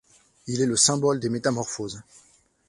Il est le symbole des métamorphoses.